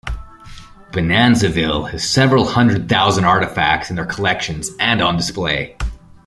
Bonanzaville has several hundred thousand artifacts in their collections and on display.